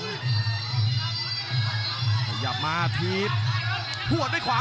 พยายามมาทีบพวดไปขวาง